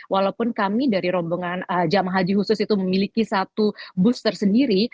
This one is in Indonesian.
walaupun kami dari rombongan jam haji khusus itu memiliki satu bus tersendiri